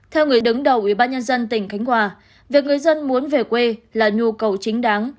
theo người đứng đầu ủy ban nhân dân tỉnh khánh hòa việc người dân muốn về quê là nhu cầu chính đáng